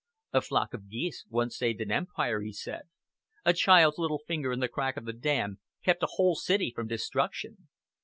"A flock of geese once saved an empire," he said, "a child's little finger in the crack of the dam kept a whole city from destruction.